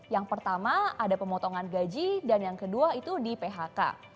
yang pertama ada pemotongan gaji dan yang kedua itu di phk